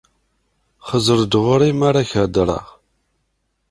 Xeẓẓer-d ɣur-i m ara k-d-heddreɣ.